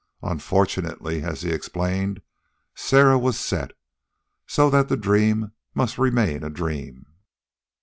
Unfortunately, as he explained, Sarah was set, so that the dream must remain a dream.